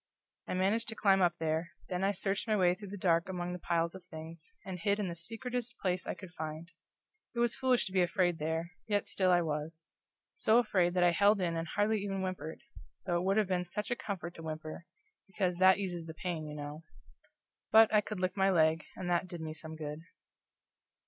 I managed to climb up there, then I searched my way through the dark among the piles of things, and hid in the secretest place I could find. It was foolish to be afraid there, yet still I was; so afraid that I held in and hardly even whimpered, though it would have been such a comfort to whimper, because that eases the pain, you know. But I could lick my leg, and that did some good.